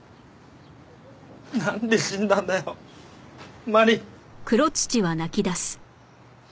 なんで死んだんだよ麻里。